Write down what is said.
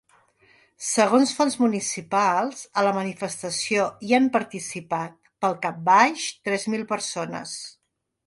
Segons fonts municipals, a la manifestació hi han participat, pel cap baix, tres mil persones.